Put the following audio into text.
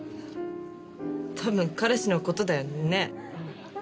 多分彼氏の事だよね？